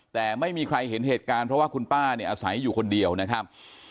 แต่ไม่มีใครเห็นเหตุการณ์เพราะว่าคุณป้าเนี่ยอาศัยอยู่คนเดียวนะครับ